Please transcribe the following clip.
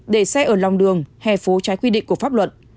để xe ở lòng đường hè phố trái quy định của pháp luật